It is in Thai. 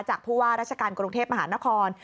ผู้ว่าราชการกรุงเทพมหานคร